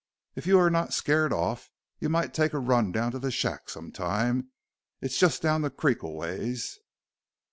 "If you are not scared off you might take a run down to the shack some time it's just down the creek a ways."